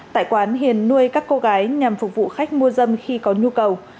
tại quán hiền nuôi các cô gái nhằm phục vụ khách mua dâm khi có nhu cầu